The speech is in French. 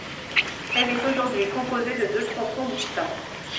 Elle est aujourd'hui composée de deux tronçons distincts.